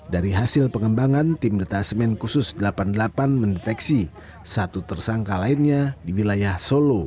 dari hasil pengembangan tim detasemen khusus delapan puluh delapan mendeteksi satu tersangka lainnya di wilayah solo